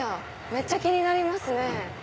めっちゃ気になりますね。